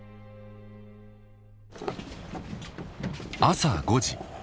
朝５時。